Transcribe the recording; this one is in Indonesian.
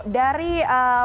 dari pihak pemerintah sendiri